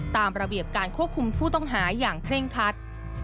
ตามระเบียบการควบคุมผู้ต้องหาอย่างเคร่งคัด